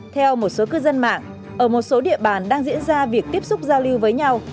theo một số cư dân mạng ở một số địa bàn đang diễn ra việc tiếp xúc giao lưu với nhau